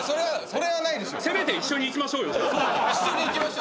せめて一緒に行きましょうよじゃあ。